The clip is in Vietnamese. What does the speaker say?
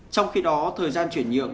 trong khi đó thời gian chuyển nhượng